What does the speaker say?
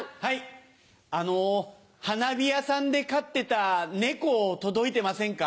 あの花火屋さんで飼ってたネコ届いてませんか？